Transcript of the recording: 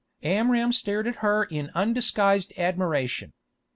Amram stared at her in undisguised admiration.